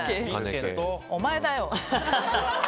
お前だよ！